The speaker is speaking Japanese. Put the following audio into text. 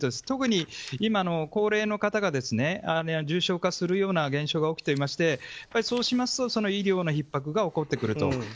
特に今、高齢の方が重症化するような現象が起きていましてそうしますと医療のひっ迫が起こってくると。